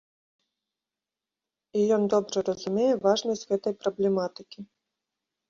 І ён добра разумее важнасць гэтай праблематыкі.